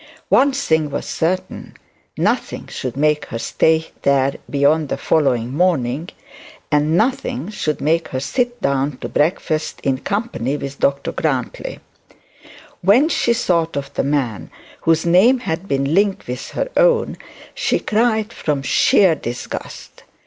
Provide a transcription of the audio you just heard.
One thing was certain: nothing should make her stay there beyond the following morning, and nothing should make her sit down in company with Dr Grantly. When she thought of the man whose name had been linked with her own, she cried from sheer disgust.